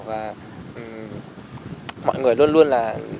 và mọi người luôn luôn là